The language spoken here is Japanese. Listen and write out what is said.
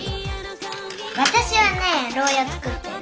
私はねろう屋作ってる。